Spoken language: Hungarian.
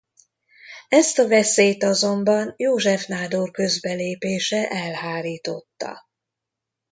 Ezt a veszélyt azonban József nádor közbelépése elhárította.